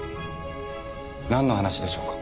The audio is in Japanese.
なんの話でしょうか。